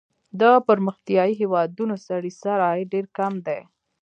د پرمختیايي هېوادونو سړي سر عاید ډېر کم دی.